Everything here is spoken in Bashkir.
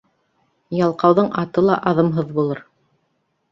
Ялҡауҙың аты ла аҙымһыҙ булыр.